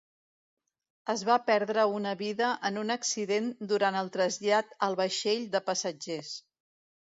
Es va perdre una vida en un accident durant el trasllat al vaixell de passatgers.